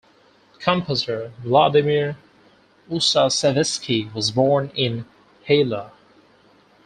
Composer Vladimir Ussachevsky was born in Hailar.